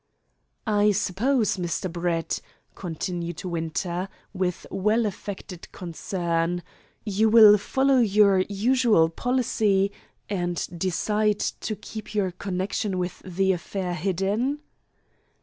"I suppose, Mr. Brett," continued Winter, with well affected concern, "you will follow your usual policy, and decide to keep your connection with the affair hidden?"